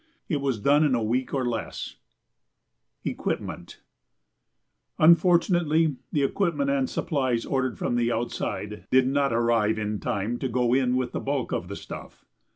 It was done in a week or less. [Sidenote: Equipment] Unfortunately, the equipment and supplies ordered from the outside did not arrive in time to go in with the bulk of the stuff.